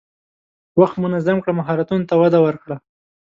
وخت منظم کړه، مهارتونو ته وده ورکړه.